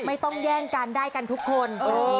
ไม่ต้องแย่งกันได้กันทุกคน